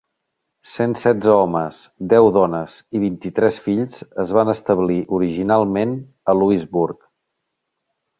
Cent setze homes, deu dones i vint-i-tres fills es van establir originalment a Louisbourg.